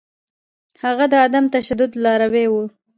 هغه د عدم تشدد لاروی و.